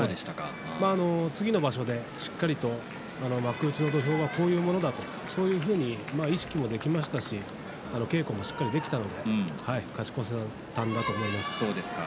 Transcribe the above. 次の場所でしっかりと幕内の土俵はこういうものだったとそういうふうに意識を向けましたし稽古もしっかりできたので勝ち越せたんだと思います。